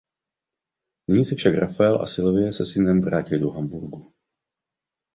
Nyní se však Rafael a Sylvie se synem vrátili do Hamburgu.